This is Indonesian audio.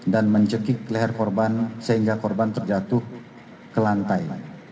dan mencekik leher korban sehingga korban terjatuh ke lantai